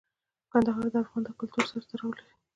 کندهار د افغان کلتور سره تړاو لري.